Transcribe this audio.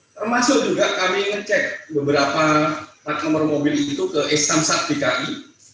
termasuk juga kami ngecek beberapa part nomor mobil itu ke s samsat bki